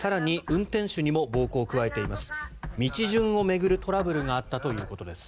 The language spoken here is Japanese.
運転手にも暴行を加えています。